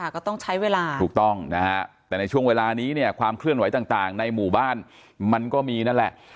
ก็ต้องใช้เวลาถูกต้องนะฮะแต่ในช่วงเวลานี้เนี่ยความเคลื่อนไหวต่างในหมู่บ้านมันก็มีนั่นแหละ